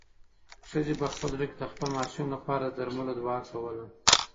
ښځې په خپل زړه کې د خپل ماشوم لپاره د درملو دعا کوله.